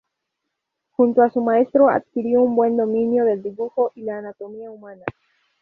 Junto a su maestro adquirió un buen dominio del dibujo y la anatomía humana.